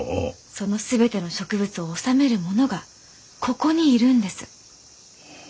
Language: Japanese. その全ての植物を修める者がここにいるんです。